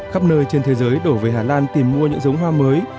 khắp nơi trên thế giới đổ về hà lan tìm mua những giống hoa mới